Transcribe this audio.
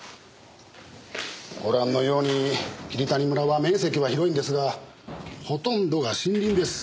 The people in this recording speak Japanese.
ご覧のように霧谷村は面積は広いんですがほとんどが森林です。